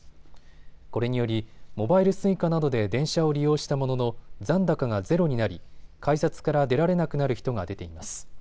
これによりモバイルＳｕｉｃａなどで電車を利用したものの残高がゼロになり改札から出られなくなる人が出ています。